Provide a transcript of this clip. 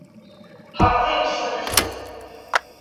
Haklıymışsınız.